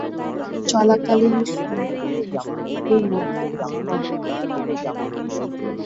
চলাকালীন সময়ে তিনি শত্রুদের মধ্যে ঢুকে পড়েন।